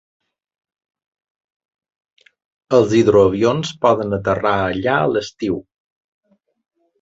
Els hidroavions poden aterrar allà a l'estiu.